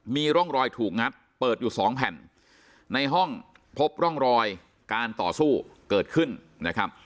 มีร่องรอยถูกงัดเปิดอยู่สองแผ่นในห้องพบร่องรอยการต่อสู้เกิดขึ้นนะครับ